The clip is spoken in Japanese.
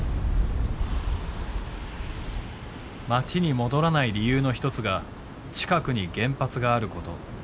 町に戻らない理由の一つが近くに原発があること。